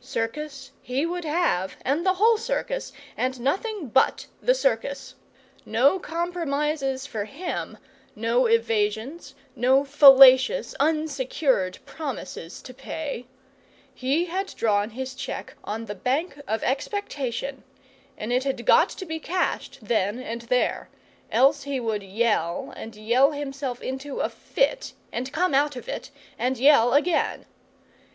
Circus he would have, and the whole circus, and nothing but the circus. No compromise for him, no evasions, no fallacious, unsecured promises to pay. He had drawn his cheque on the Bank of Expectation, and it had got to be cashed then and there; else he would yell, and yell himself into a fit, and come out of it and yell again.